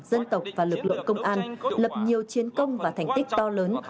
dân tộc và lực lượng công an lập nhiều chiến công và thành tích to lớn